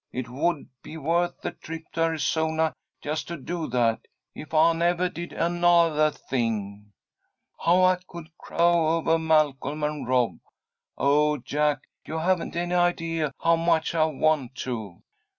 It would be worth the trip to Arizona just to do that, if I nevah did anothah thing. How I could crow ovah Malcolm and Rob. Oh, Jack, you haven't any idea how much I want to!"